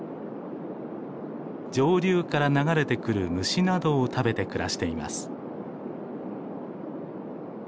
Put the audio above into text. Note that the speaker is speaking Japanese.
上流から流れてくる虫などを食べて暮らしています。